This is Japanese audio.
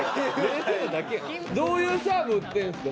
どういうサーブ打ってるんですか？